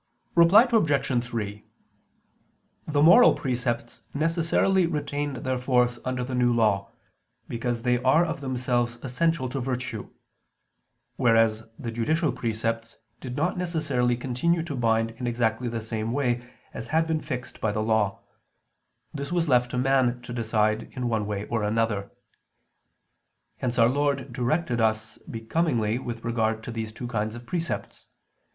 Reply Obj. 3: The moral precepts necessarily retained their force under the New Law, because they are of themselves essential to virtue: whereas the judicial precepts did not necessarily continue to bind in exactly the same way as had been fixed by the Law: this was left to man to decide in one way or another. Hence Our Lord directed us becomingly with regard to these two kinds of precepts.